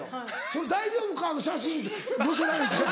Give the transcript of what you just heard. その「大丈夫か？」の写真載せられてやな。